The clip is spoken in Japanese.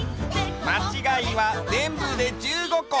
まちがいはぜんぶで１５こ。